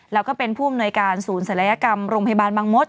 แล้วก็เป็นผู้อำนวยการศูนย์ศัลยกรรมโรงพยาบาลบางมศ